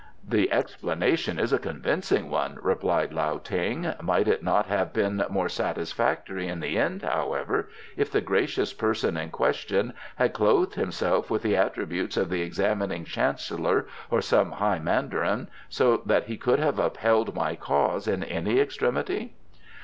"The explanation is a convincing one," replied Lao Ting. "Might it not have been more satisfactory in the end, however, if the gracious person in question had clothed himself with the attributes of the examining chancellor or some high mandarin, so that he could have upheld my cause in any extremity?"